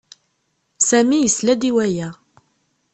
Sami yesla-d i waya.